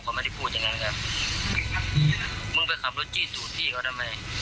เขาไม่ได้พูดอย่างนั้นครับมึงไปขับรถจี้ตูดพี่เขาทำไม